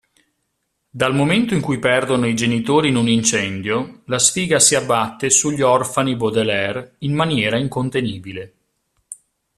Dal momento in cui perdono i genitori in un incendio, la sfiga si abbatte sugli orfani Baudelaire in maniera incontenibile.